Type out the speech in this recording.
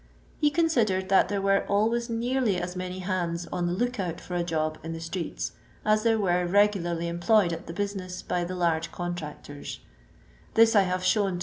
He considered that there were always nearly as many hands on the look out for a Job in the streets, as there were regularly employed at the business by the large contractors; this I have shown to.